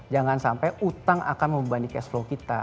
jangan sampai utang akan membebani cash flow kita